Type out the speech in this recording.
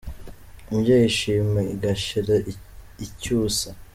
Imbyeyi ishima igashira icyusa